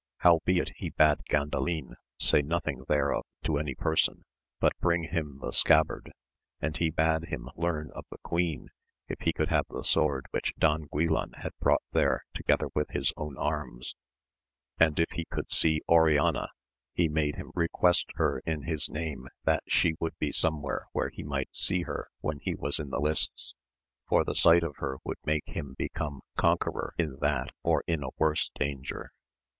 Howbeit he bade Gandalin say nothing thereof to any person, but bring him the scabbard, and he bade him learn of the queen if he could have the sword which Don Guilan had brought there together with his own arms ; and if he could see Oriana he made him request her in his name that she would bo somewhere where he might see her when he was in the Usts, for the sight of her would make him become conqueror in that or in a worse danger.